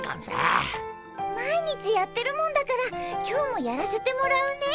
毎日やってるもんだから今日もやらせてもらうね。